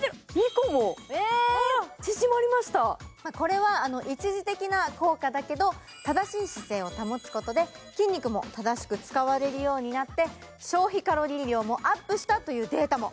これは一時的な効果だけど、正しい姿勢を保つことで筋肉も正しく使われるようになって消費カロリー量もアップしたというデータも。